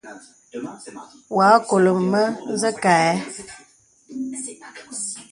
Wɔ a nkɔlə mə zə̀ kâ ə̀.